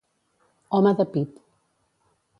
Home de pit.